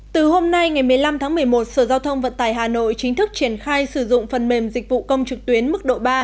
từ hôm nay ngày một mươi năm tháng một mươi một sở giao thông vận tải hà nội chính thức triển khai sử dụng phần mềm dịch vụ công trực tuyến mức độ ba